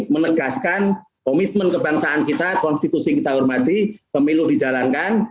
menegaskan komitmen kebangsaan kita konstitusi kita hormati pemilu dijalankan